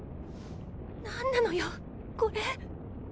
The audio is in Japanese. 何なのよこれ。